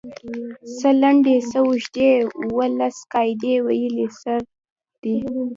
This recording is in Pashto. څۀ لنډې څۀ اوږدې اووه لس قاعدې ويلی سر دی